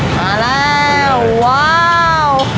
มาแล้วว้าว